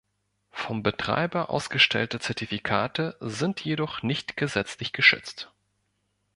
Vom Betreiber ausgestellte Zertifikate sind jedoch nicht gesetzlich geschützt.